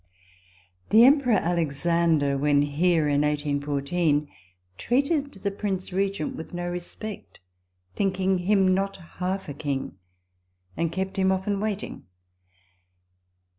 The Emperor Alexander, when here [in 1814], treated the Prince Regent with no respect, thinking him not half a king, and kept him often waiting.